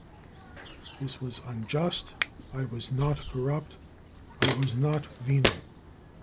This was unjust I was not corrupt I was not venal.